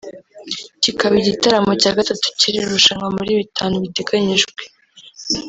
kikaba igitaramo cya gatatu cy’iri rushanwa muri bitanu biteganyijwe